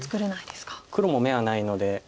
黒も眼はないので。